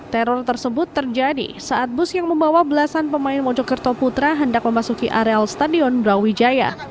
teror tersebut terjadi saat bus yang membawa belasan pemain mojokerto putra hendak memasuki areal stadion brawijaya